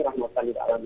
rahmatkan di dalam